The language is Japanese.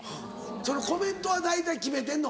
そのコメントは大体決めてんの？